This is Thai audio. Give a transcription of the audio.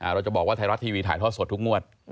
เราจะบอกว่าไทยรัฐทีวีถ่ายทอดสดทุกงวด